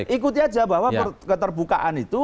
ikuti aja bahwa keterbukaan itu